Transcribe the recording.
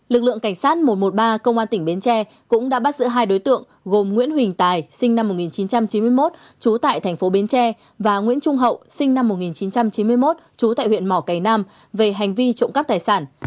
lực lượng cảnh sát một trăm một mươi ba công an tỉnh bến tre cũng đã bắt giữ hai đối tượng gồm nguyễn huỳnh tài sinh năm một nghìn chín trăm chín mươi một trú tại thành phố bến tre và nguyễn trung hậu sinh năm một nghìn chín trăm chín mươi một trú tại huyện mỏ cầy nam về hành vi trộm cắp tài sản